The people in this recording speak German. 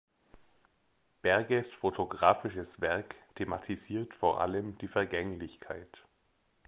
Berges’ fotografisches Werk thematisiert vor allem die Vergänglichkeit.